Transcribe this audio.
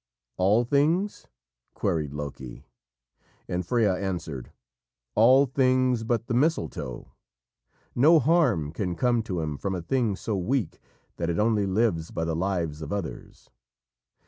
"All things?" queried Loki. And Freya answered, "All things but the mistletoe. No harm can come to him from a thing so weak that it only lives by the lives of others."